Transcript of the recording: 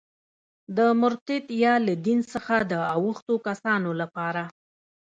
د مرتد یا له دین څخه د اوښتو کسانو لپاره.